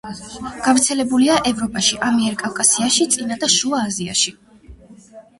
გავრცელებულია ევროპაში, ამიერკავკასიაში, წინა და შუა აზიაში.